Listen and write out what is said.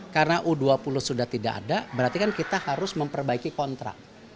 karena u dua puluh sudah tidak ada berarti kan kita harus memperbaiki kontrak